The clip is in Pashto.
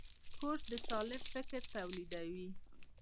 کورس د سالم فکر تولیدوي.